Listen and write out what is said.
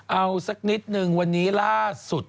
เอาสักนิดนึงวันนี้ล่าสุด